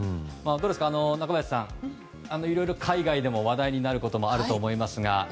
中林さん、いろいろ海外でも話題になることもあると思いますが。